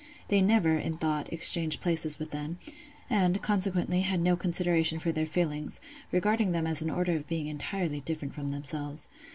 They never, in thought, exchanged places with them; and, consequently, had no consideration for their feelings, regarding them as an order of beings entirely different from themselves.